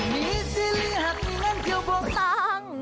มีซีรีส์หากมีงานเกี่ยวพวกต้อง